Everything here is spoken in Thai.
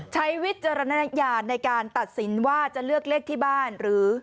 วิจารณญาณในการตัดสินว่าจะเลือกเลขที่บ้านหรือ